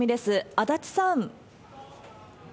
足立さん。